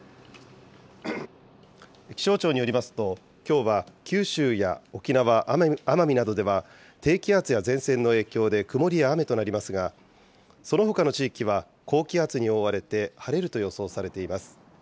気象庁によりますと、きょうは九州や沖縄、奄美などでは低気圧や前線の影響で曇りや雨となりますが、そのほかの地域は高気圧に覆われて晴れると予想されています。